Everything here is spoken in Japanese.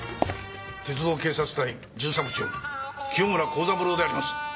鉄道警察隊巡査部長清村公三郎であります！